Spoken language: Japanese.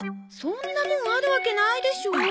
そんなもんあるわけないでしょ。